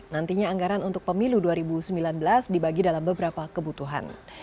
nantinya anggaran untuk pemilu dua ribu sembilan belas dibagi dalam beberapa kebutuhan